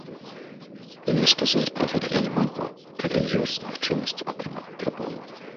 І не сказаць пра гэта я не магу, калі ёсць магчымасць атрымаць трыбуну.